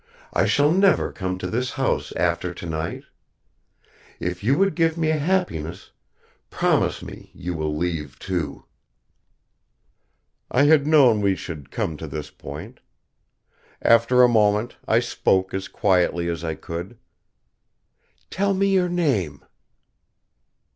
I shall never come to this house after tonight. If you would give me a happiness, promise me you will leave, too." I had known we should come to this point. After a moment, I spoke as quietly as I could: "Tell me your name."